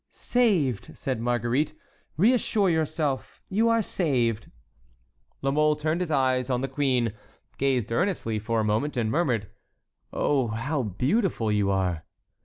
"Saved!" said Marguerite. "Reassure yourself—you are saved." La Mole turned his eyes on the queen, gazed earnestly for a moment, and murmured, "Oh, how beautiful you are!"